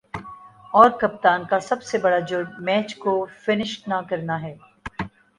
اور کپتان کا سب سے بڑا"جرم" میچ کو فنش نہ کر ہے